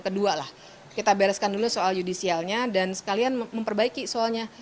kedua lah kita bereskan dulu soal judicialnya dan sekalian memperbaiki soalnya